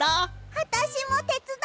あたしもてつだう！